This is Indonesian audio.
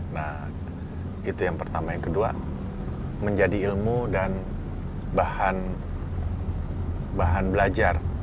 nah itu yang pertama yang kedua menjadi ilmu dan bahan belajar